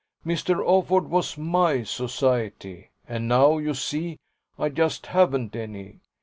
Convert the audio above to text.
Mr. Offord was MY society, and now, you see, I just haven't any.